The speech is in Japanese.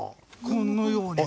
このように。